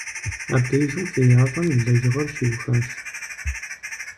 Абдежым хеящӀэм и лэжьыгъэр щиухащ.